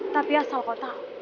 tapi asal kau tahu